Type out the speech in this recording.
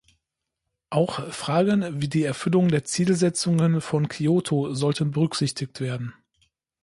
Auch Fragen wie die Erfüllung der Zielsetzungen von Kyoto sollten berücksichtigt werden.